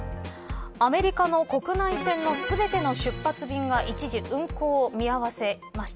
アメリカの国内線が全ての出発便が一時運航を見合わせました。